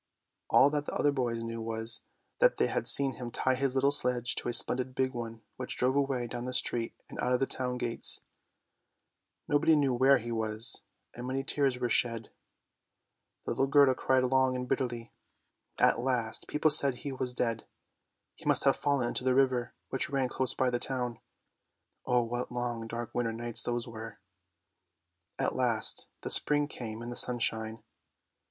All that the other boys knew was, that they had seen him tie his little sledge to a splendid big one which drove away down the street and out of the town gates. Nobody knew where he was, and many tears were shed; little Gerda cried long and bitterly. At last, people said he was dead; he must have fallen into the river which ran close by the town. Oh, what long, dark, winter days those were ! At last the spring came and the sunshine.